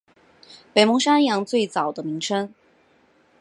北蒙是安阳最早的名称。